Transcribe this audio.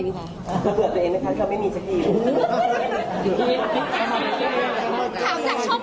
เบื่อตัวเองนะครับเค้าไม่มีเจ้าพี่